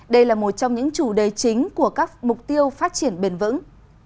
đây là một trong những chủ đề chính của các mục tiêu phát triển bền vững